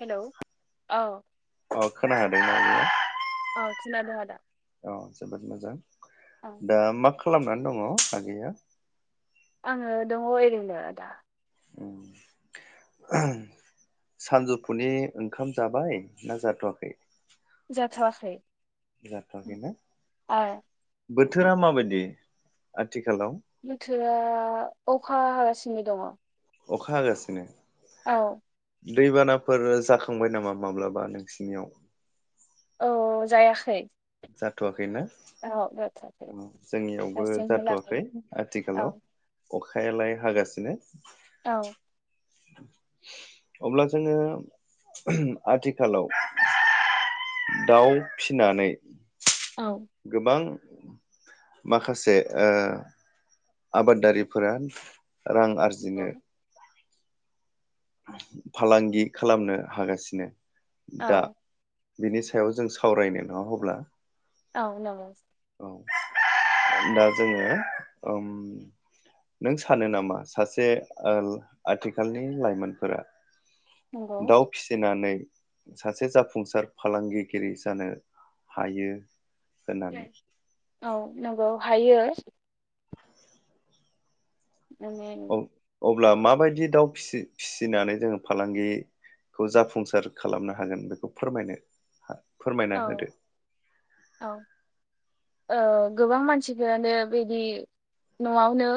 Hello औ अ खोना हादों ना [inaudible] औ खोनादों आदा औ जोबोद मोजां औ दा माखालाम खालानानै दङ आगैया आङो दङ ओरैनो आदा सानजौफुनि ओंखाम जाबाय ना जाथवाखै जाथवाखै जाथवाखै ना आ बोथोरा माबायदि आथिखालाव बोथोरा अखा हागासिनो दङ अखा हागासिनो औ दैबानाफोर जाखांबाय नामा माब्लाबा नोंसिनियाव औ जायाखै जाथवाखै ना [unintelligible] जोंनियावबो दासिमहालागै जाथवाखै औ आथिखालाव अखायालाय हागासिनो औ अब्ला जोङो आथिखालाव दाउ फिनानै औ गोबां माखासे ओ आबादारिफोरा रां नंगौ आरजिनो फालांगि खालामनो हागासिनो औ दा बिनि सायाव जों सावरायनो नङा अब्ला औ नंगौ औ दा जोङो ओम नों सानो नामा सासे ओल आथिखालनि लाइमोनफोरा नंगौ दाउ फिसिनानै सासे जाफुंसार फालांगिगिरि जानो हायो होननानै? औ नंगौ हायो। [unintelligible] अब्ला माबायदि दाउ फिसि फिसिनानै जोङो फालांगिखौ जाफुंसार खालामनो हागोन बेखौ फोरमायनो हा औ फोरमायना होदो। औ ओ गोबां मानसिफोरानो बिदि न'आवनो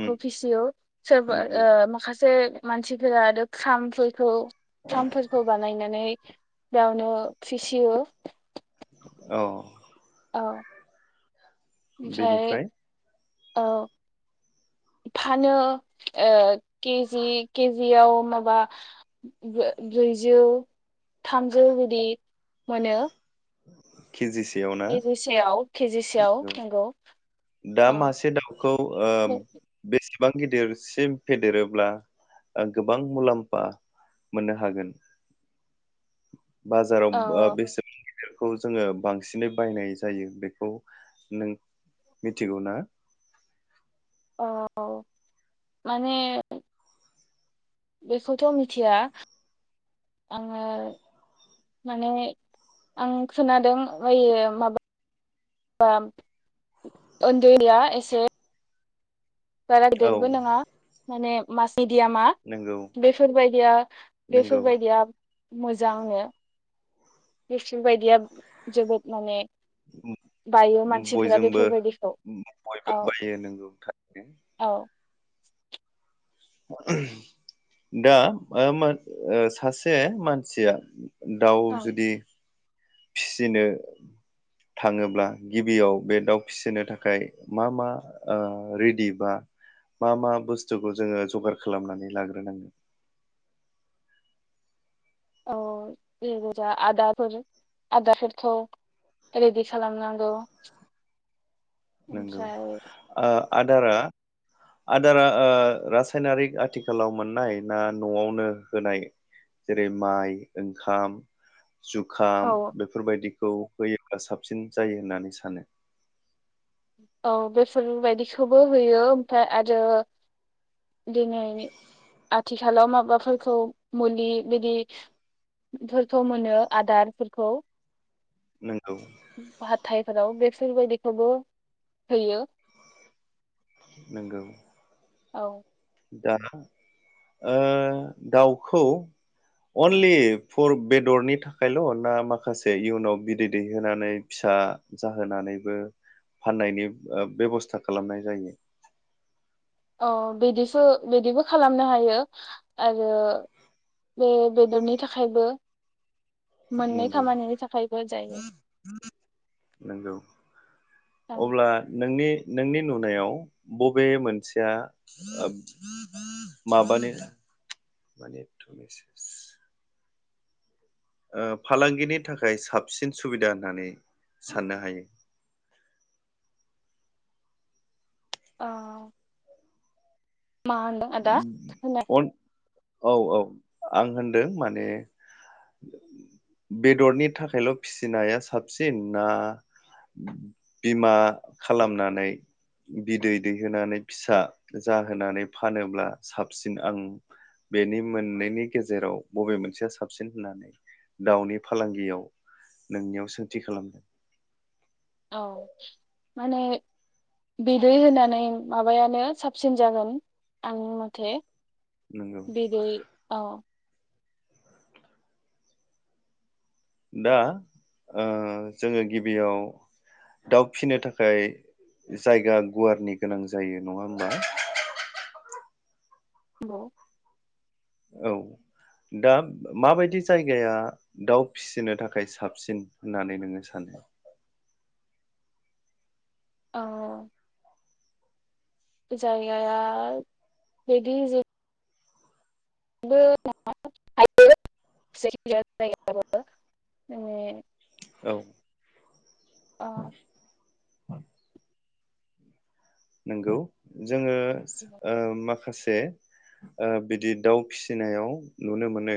उम फिसियो सोरबा नंगौ ओ माखासे मानसिफोरा आरो खामफोरखौ खामफोरखौ बानायनानै गावनो फिसियो। औ। औ। बेनिफ्राय? अ फानो ओ केजि केजियाव माबा ब्रै-ब्रैजौ थामजौ बिदि मोनो। केजिसेयाव ना? केजिसेआव औ। नंगौ। दा औ मासे दाउखौ ओ बेसे बां गिदिरसिम फेदेरोब्ला गोबां मुलाम्फा मोननो हागोन बाजाराव औ ओ बे बेसे [unintelligible] बेखौ जोङो बांसिनै बायनाय जायो बेखौ नों मिथिगौ ना? औ माने बेखौथ' मिथिया आङो माने आं खोनादों बायो माबा [unintelligible] उन्दैया एसे बारा औ गिदिरबो नङा माने मास मिडियामा नंगौ बेफोरबायदिया नंगौ बेफोरबायदिया मोजांनो बिसोर बायदिया जोबोद माने [unintelligible] बायो मानसिफोरा बयजोंबो बेफोरबायदिखौ बयबो औ बायो नोंगौ थारैनो। औ दा मा मा ओ सासे मानसिया दाउ ओं जुदि फिसिनो थाङोब्ला गिबियाव बे दाउ फिसिनो थाखाय मा मा ओ रेडि बा मा मा बुस्थुखौ जोङो जगार खालामनानै लाग्रोनांगोन? औ जे गोजा आदाफोर आदारफोरखौ रेडि खालामनांगौ। नोंगौ ओमफ्राय ओ आदारा आदारा रासायनारिक आथिखालाव मोननाय ना न'आवनो होनाय जेरै माइ ओंखाम औ जुखाम बेफोरबायदि औ होयोब्ला साबसिन जायो होननानै सानो औ बेफोरबायदिखौबो होयो ओमफ्राय आरो दिनैनि आथिखालाव माबाफोरखौ मुलि बिदिफोरखौ मोनो आदारफोरखौ नोंगौ हाथायफोराव बेफोरबायदिखौबो होयो। नोंगौ औ दा ओ दाउखौ अनलि फर बेदरनि थाखायल' ना माखासे इयुनाव बिदै दैहोनानै फिसा जाहोनानैबो फाननायनि बेब बेब'स्था खालामनाय जायो अ बिदिसो बिदिबो खालामनो हायो आरो बे बेदरनि थाखायबो मोननै नंगौ खामानिनि थाखायबो जायो नंगौ औ अब्ला नोंनि नोंनि नुनायाव बबे मोनसेया माबानो मानि एथ मेसेस ओ फालांगिनि थाखाय साबसिन सुबिदा होननानै साननो हायो ओ मा होनदों आदा खोना अन औ औ आं होनदों माने बेदरनि थाखायल' फिसिनाया साबसिन ना बिमा खालामनानै बिदै दैहोनानै फिसा जाहोनानै फानोब्ला साबसिन आं बेनि मोननैनि गेजेराव बबे मोनसेया साबसिन होननानै दाउनि फालांगियाव नोंनियाव सोंथि खालामदों औ माने बिदै होनानै माबायानो साबसिन जागोन आंनि मथे नंगौ बिदै अ दा ओ जोङो गिबियाव दाउ फिसिनो थाखाय जायगा गुवारनि गोनां जायो नङा होनबा [unintelligible] औ दा माबायदि जायगाया दाउ फिसिनो थाखाय साबसिन होननानै नोङो सानो? औ जायगाया बिदि [unintelligible] औ ओ नोंगौ जोङो ओ माखा से ओ बिदि दाउ फिसिनायाव नुनो मोनो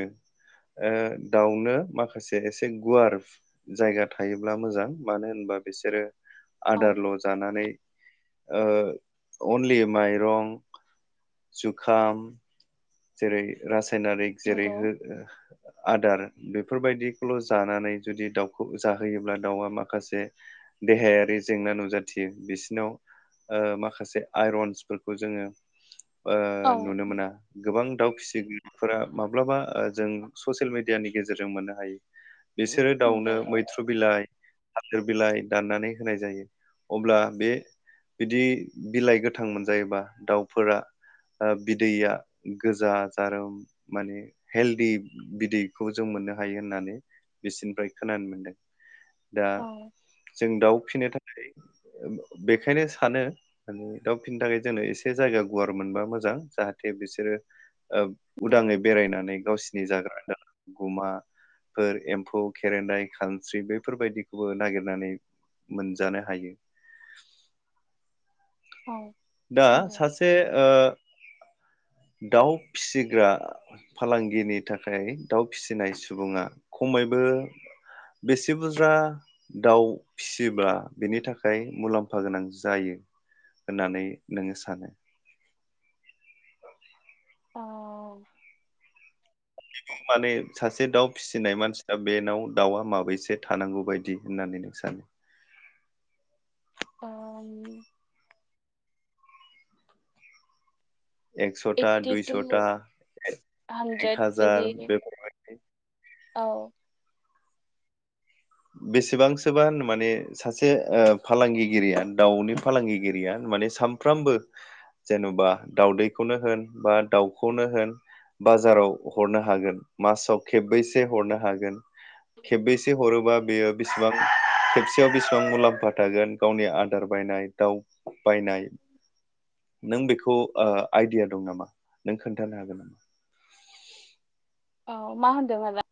ओ दाउनो माखासे एसे गुवार जायगा थायोब्ला मोजां मानो होनबा बिसोरो औ आदारल' जानानै ओ अनलि माइरं जुखाम जेरै रासाय नारिक जेरै नंगौ [unintelligible] आदार बेफोरबायदिखौल' जानानै जुदि दाउखौ जाहोयोब्ला दाउआ माखासे देहायारि जेंना नुजाथियो बिसिनाव ओ माखासे आइरनसफोरखौ जोङो ओ औ नुनो मोना। गोबां दाउखिसिगिरिफोरा माब्लाबा ओ जों ससियेल मेडियानि गेजेरजों मोननो हायो बिसोरो नंगौ दाउनो मैथ्रु बिलाइ थालिर बिलाइ दाननानै होनाय जायो अब्ला बे बिदि बिलाइ गोथां मोनजायोबा दाउफोरा ओ बिदैया गोजा जारोम माने हेलदि बिदैखौ जों मोननो हायो होननानै बिसोरनिफ्राय खोनानो मोनदों। दा औ जों दाउ फिनो थाखाय बेखायनो सानो ओ दाउ फिनो थाखाय जोंनो एसे जायगा गुवार मोनबा मोजां जाहाथे बिसो बिसोरो ओ उदाङै बेरायनानै गावसोरनि जाग्रा द गुमाफोर एम्फौ खेरेनाय खानस्रि बेफोरबायदिखौबो नागिरनानै मोनजानो हायो। औ। दा नंगौ सासे ओ दाउ फिसिग्रा फालांगिनि थाखाय दाउ फिसिनाय सुबुङा खमैबो बेसे बुरजा दाउ फिसियोब्ला बिनि थाखाय मुलाम्फा गोनां जायो होननानै नोङो सानो? औ [unintelligible] माने सासे दाउ फिसिनाय मानसिनाव बेनाव दाउआ माबैसे थानांगौ बदि होननानै नों सानो? [unintelligible] एकस'ता ओइटि टु दुइस'ता एक हानद्रेद हाजार बिदि बेफोरबायदि औ बेसेबांसोबा माने सासे ओ फालांगिगिरिया दाउनि फालांगिगिरिया माने सानफ्रामबो जेन'बा दाउदैखौनो होन बा दाउखौनो होन बाजाराव हरनो हागोन मासाव खेबबैसे हरनो हागोन खेबबैसे हरोबा बेयो बेसेबां खेबसेयाव बेसेबां मुलाम्फा थागोन गावनि आदार बायनाय दाउ बायनाय नों बेखौ ओ आइडिया दं नामा नों खोन्थानो हागोन नामा? औ मा होनदों आदा?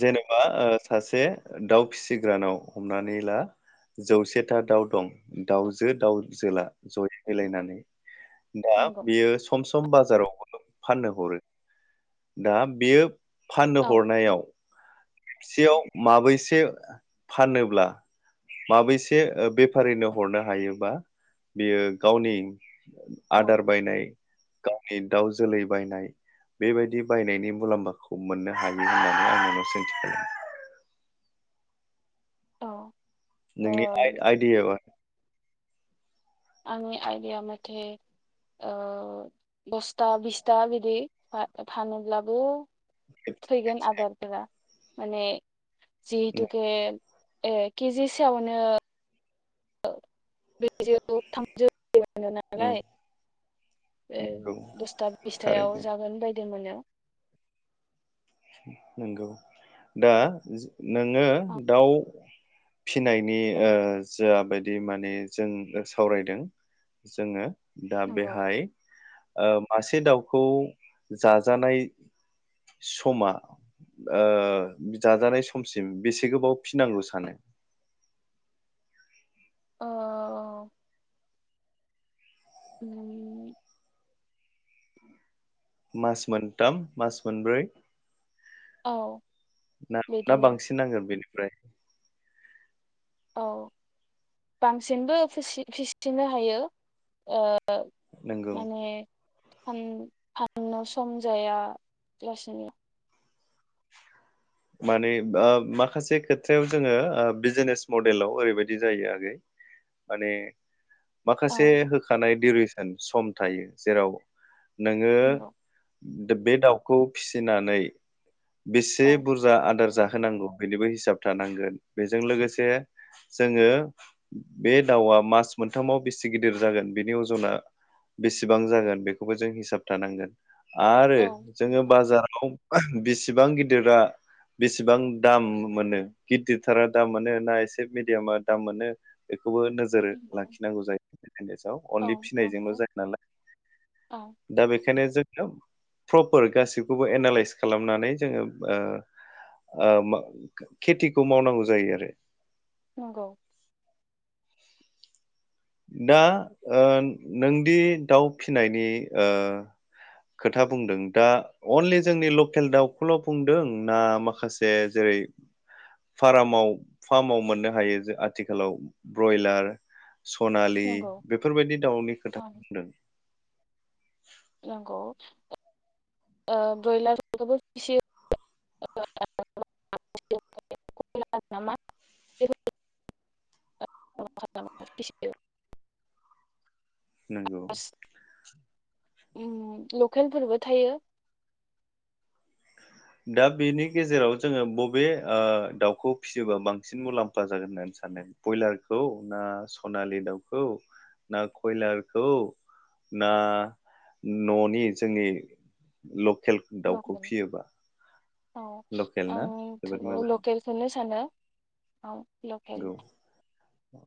जेनेबा ओ सासे दाउ फिसिग्रानाव हमनानै ला जौसेथा दाउ दं दाउजो दाउ जोला। जयै होलायनानै दा नंगौ बेयो सम स बाजाराव फाननो हरो दा बेयो फाननो औ हरनायाव खेबसेयाव माबैसे फानोब्ला माबैसे ओ बेफारिनो हरनो हायोबा बियो गावनि औ आदार बायनाय गावनि दाउ जोलै बायनाय बेबायदि बायनायनि मुलाम्फाखौ मोननो हायो होनना [unintelligible] औ। नोंनि ओम आय-आयदिबा आंनि आइडिया मथे ओ दसथा बिसथा बिदि फानोब्लाबो फैगोन आदारफोरा माने जिहेतुके ए केजि सायावनो औ ब्रैजौ थामजौ। उम, नालाय नंगौ दसथा बिसथायाव थारैनो जागोन बायदि बिदि मोनो। नंगौ दा नोङो औ दाउ फिनायनि ओ जाबायदि माने जों सावरायदों जोङो दा नंगौ बेहाय ओ मासे दाउखौ जाजानाय समा ओ जाजानाय समसिम बेसे गोबाव फिनांगौ सानो? ओह उम मास मोनथाम मास मोनब्रै औ ना ना बिदिनो बांसिन नांगोन बेनो फ्राय औ बांसिनबो फिसि फिसिनो हायो ओ ओग नंगौ माने फान-फाननो सम जाया लासैनो माने बाब माखासे खेथ्रायाव जोंङो ओ बिजनेस मडेलाव ओरैबायदि जायो आगै माने औ माखासे होखानाय उरेसन सम थायो जेराव नोंङो नंगौ दा बे दाव खौ फिसिनानै बिसे औ आदार जाहोनांगौ बेनिबो हिसाब थानांगोन बेजों लोगोसे जोंङो बे दावआ मास मोनथामाव बेसे गिदिर जागोन बेनि अजना बेसेबां जागोन बेखौबो जों हिसाब थानांगोन। आरो औ जोंङो बाजाराव बिसिबां गिदिरा बेसेबां दाम मोनो गिदिरथारा दाम मोनो ना एसे मिडियामा दाम मोनो खौबो नोजोर नंगौ लाखिनांगौ जायो [unintelligible] औ अनलि फिनायजोंल' नंगौ जाया नालाय दा बेखायनो जों प्रपार गासिखौबो एनालइस खालामनानै जोंङो ओ ओ मा खेथिखौ मावनांगौ जायो आरो। नंगौ। दा ओ नोंदि दाव फिनायनि ओ खोथा बुंदों दा अनलि जोंनि लकेल दाव खौल' बुंदों ना माखासे जेरै फार्माव मोननो हायो आथिखालाव ब्रयलार सनालि नंगौ बेफोरबायदि दावनि खोथा औ बुंदों? नंगौ ओ ब्रयलारखौबो फिसियो [unintelligible] नंगौ। ओम लकेलफोरबो थायो। दा बेनि गेजेराव जोंङो बबे ओ दावखौ फिसियोबा बांसिन मुलाम्फा जागोन होननानै सानो बयलारखौ ना सनालि दावखौ ना कयलारखौ ना न'नि जोंनि ल खेल दावखौ लकेल फियोबा औ लकेल ना आं जोबोद थो मोजां लकेलखौनो सानो। औ लकेल गौ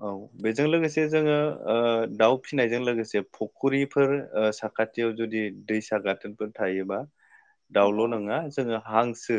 औ बेजों लोगोसे जोंङो ओ दाव फिसिनायजों लोगोसे फुख्रिफोर ओ साखाथियाव जुदि दैसा गाथोनफोर थायोबा औ दावल' नोंङा जोंङो हांसो